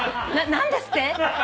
何ですって！？